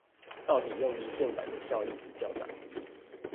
到底用離線版的效益比較大